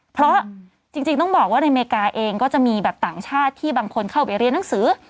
เพราะจริงต้องบอกว่าในอเมริกาเองก็จะมีแบบต่างชาติที่บางคนเข้าไปเรียนหนังสือ